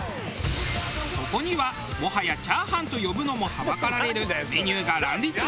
そこにはもはやチャーハンと呼ぶのもはばかられるメニューが乱立。